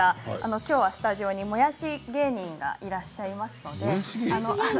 きょうはスタジオにもやし芸人がいらっしゃいますので。